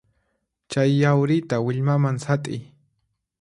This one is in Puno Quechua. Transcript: Chay yawrita willmaman sat'iy.